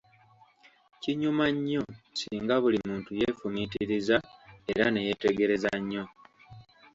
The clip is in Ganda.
Kinyuma nnyo singa buli muntu yeefumiitiriza era neyetegereza nnyo.